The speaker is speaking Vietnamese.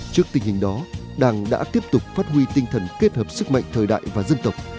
trước tình hình đó đảng đã tiếp tục phát huy tinh thần kết hợp sức mạnh thời đại và dân tộc